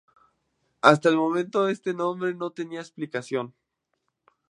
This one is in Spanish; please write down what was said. Hasta ese momento este nombre no tenía explicación.